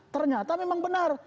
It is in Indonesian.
ternyata memang benar